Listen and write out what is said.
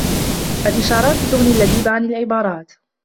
الإشارات تُغْني اللبيب عن العبارات